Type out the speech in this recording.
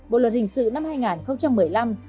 bộ luật hình sự năm hai nghìn một mươi năm